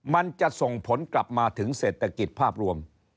มันจะส่งผลกลับมาถึงเศรษฐกิจภาพรวม